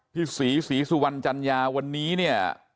พี่ศรีศรีสุวรรณจัญญาวันนี้เนี่ย